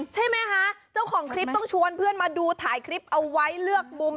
ใช่ไหมคะเจ้าของคลิปต้องชวนเพื่อนมาดูถ่ายคลิปเอาไว้เลือกมุม